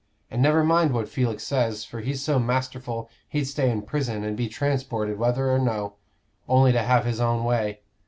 And never mind what Felix says, for he's so masterful he'd stay in prison and be transported whether or no, only to have his own way.